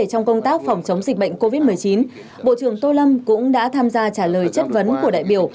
trong công tác phòng chống dịch bệnh covid một mươi chín bộ trưởng tô lâm cũng đã tham gia trả lời chất vấn của đại biểu